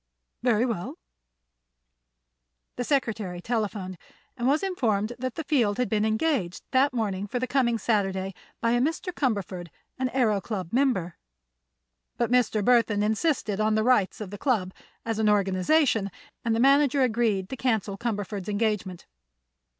"Very well." The secretary telephoned, and was informed that the Field had been engaged that morning for the coming Saturday by a Mr. Cumberford, an Aëro Club member. But Mr. Burthon insisted on the rights of the Club, as an organization, and the manager agreed to cancel Cumberford's engagement.